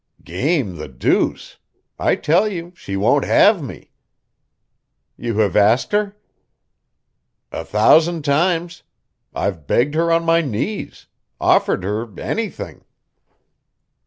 "Game the deuce! I tell you she won't have me." "You have asked her?" "A thousand times. I've begged her on my knees. Offered her anything."